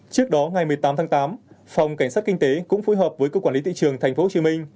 trước đó ngày một mươi tám tháng tám phòng cảnh sát kinh tế cũng phối hợp với cục quản lý thị trường tp hcm